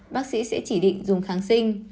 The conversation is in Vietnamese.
bác sĩ sẽ chỉ định dùng kháng sinh